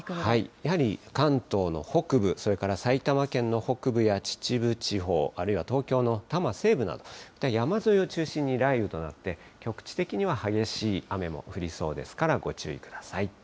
やはり関東の北部、それから埼玉県の北部や秩父地方、あるいは東京の多摩西部など、また山沿いを中心に雷雨となって、局地的には激しい雨も降りそうですから、ご注意ください。